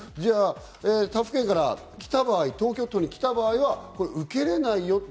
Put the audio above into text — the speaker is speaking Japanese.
他府県から来た場合、東京都に来た場合は受けられないよと。